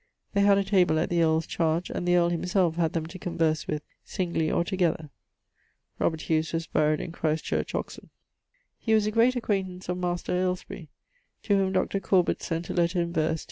They had a table at the earle's chardge, and the earle himselfe had them to converse with, singly or together. [LXXV.] Robert Hues was buried in Xt. Ch. Oxon. He was a great acquaintance of Master ... Ailesbury, to whom Dr. Corbet sent a letter in verse, Dec.